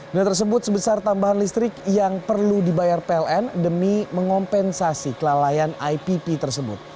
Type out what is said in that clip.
dana tersebut sebesar tambahan listrik yang perlu dibayar pln demi mengompensasi kelalaian ipp tersebut